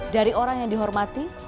dari orang yang dihormati